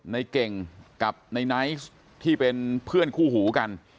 ในเก่งกับในไนท์ที่เป็นเพื่อนคู่หูกัน